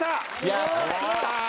やったー！